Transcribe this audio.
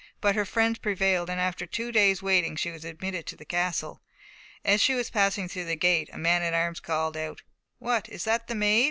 But her friends prevailed, and after two days' waiting she was admitted to the castle. As she was passing through the gate, a man at arms called out, "What, is that the Maid?"